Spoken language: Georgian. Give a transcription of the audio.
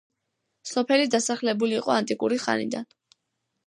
სოფელი დასახლებული იყო ანტიკური ხანიდან.